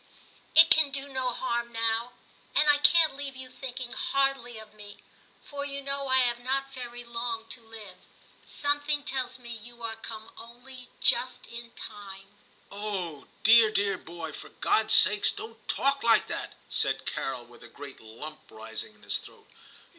It can do no harm 3IO TIM CHAP. now, and I can*t leave you thinking hardly of me, for you know I have not very long to live ; something tells me you are come only just in time/ * Oh ! dear dear boy, for God's sake, don*t talk like that/ said Carol, with a great lump rising in his throat.